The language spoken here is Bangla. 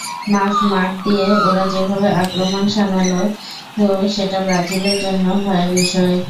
মাঝমাঠ দিয়ে ওরা যেভাবে আক্রমণ শাণাল সেটা ব্রাজিলের জন্য ভয়ের বিষয়।